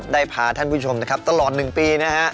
ได้พาท่านผู้ชมตลอดหนึ่งปี